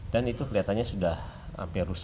dan itu kelihatannya sudah hampir rusak